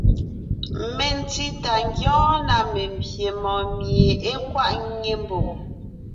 Mentí tà ńgyɔ́ɔn na membyè mɔɔn mie é kwaʼ ńnyé ḿboŋ.